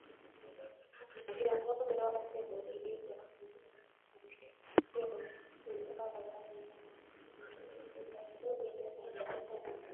na kiongozi wake Nikita Khrushchev ingawa baadhi ya wachanganuzi walisema